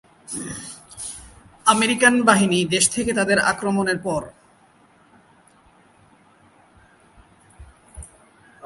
American বাহিনী দেশ থেকে তাদের আক্রমণের পর।